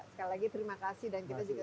sekali lagi terima kasih dan kita juga